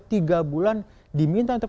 tiga bulan diminta untuk